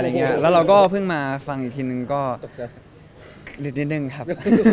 แล้วเราก็เพิ่งมาฟังอีกทีนึงก็หลุดนิดนึงครับ